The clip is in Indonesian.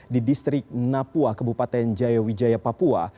di distrik napua kebupaten jayawijaya papua